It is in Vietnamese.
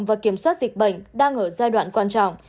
và kiểm soát dịch bệnh đang ở giai đoạn quan trọng